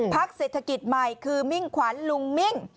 เศรษฐกิจใหม่คือมิ่งขวัญลุงมิ่ง